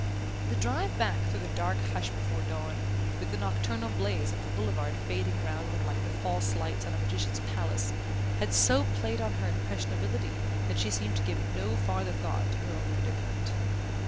The drive back through the dark hush before dawn, with the nocturnal blaze of the Boulevard fading around them like the false lights of a magician's palace, had so played on her impressionability that she seemed to give no farther thought to her own predicament.